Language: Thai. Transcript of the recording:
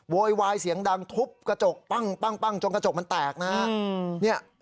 โวยวายเสียงดังทุบกระจกปั้งจนกระจกมันแตกนะฮะ